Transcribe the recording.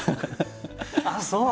ああそう。